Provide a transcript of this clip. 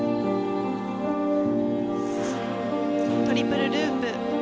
トリプルループ。